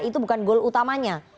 itu bukan gol utamanya